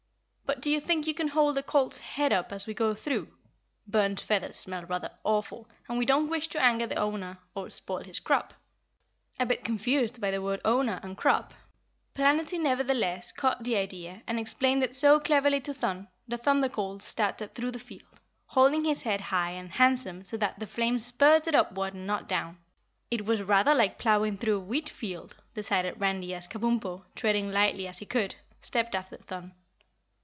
"But do you think you can hold the colt's head up as we go through? Burnt feathers smell rather awful, and we don't wish to anger the owner or spoil his crop." A bit confused by the word "owner" and "crop," Planetty nevertheless caught the idea and explained it so cleverly to Thun, the Thunder Colt started through the field, holding his head high and handsome so that the flames spurted upward and not down. "It was rather like ploughing through a wheat field," decided Randy as Kabumpo, treading lightly as he could, stepped after Thun.